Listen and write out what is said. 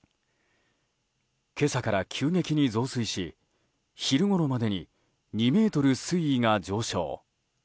今朝から急激に増水し昼ごろまでに２ｍ水位が上昇。